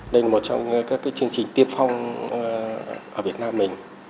đây là một trong các chương trình tiên phong ở việt nam mình